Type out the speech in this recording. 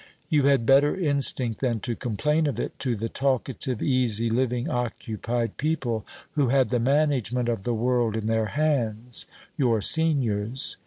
You had better instinct than to complain of it to the talkative, easy living, occupied people, who had the management of the world in their hands your seniors.